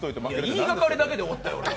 言いがかりだけで終わったよ。